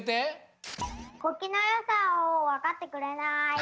国旗のよさをわかってくれない。